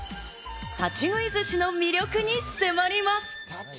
立ち食い寿司の魅力に迫ります。